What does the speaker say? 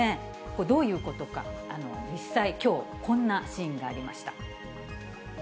どういうことか、実際、きょう、こんなシーンがありました。